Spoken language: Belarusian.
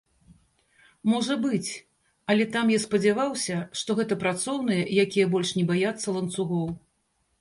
Можа быць, але там я спадзяваўся, што гэта працоўныя, якія больш не баяцца ланцугоў.